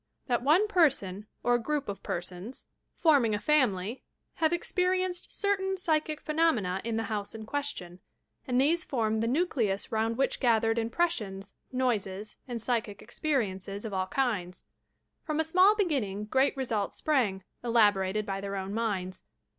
That one person or group of persons, forming a 244 YOUR PSYCHIC POWERS family, have experienced certain psj'chic phenomena in the house in question, and these formed the nucleus round which gathered impressious, noises and psychic experi encca of all kinds. Prom a small beginning great results sprang, elaborated by their own minds.